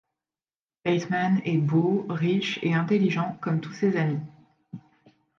Bateman est beau, riche et intelligent, comme tous ses amis.